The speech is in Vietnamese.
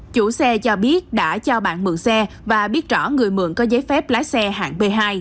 chủ xe cho biết đã cho bạn mượn xe và biết rõ người mượn có giấy phép lái xe hạng b hai